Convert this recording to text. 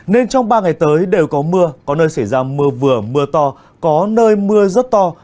nên trong ba ngày tới đều có mưa có nơi xảy ra mưa vừa mưa to có nơi mưa rất to